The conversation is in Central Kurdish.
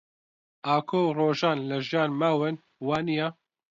ئاکۆ و ڕۆژان لە ژیان ماون، وانییە؟